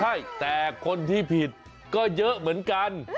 ใช่แต่คนที่ผิดก็เยอะเหมือนกัน